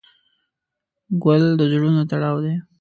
ګل د زړونو تړاو دی.